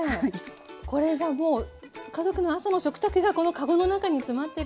これじゃもう家族の朝の食卓がこの籠の中に詰まってるような。